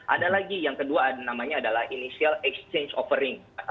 ada lagi yang kedua ada namanya adalah initial exchange offering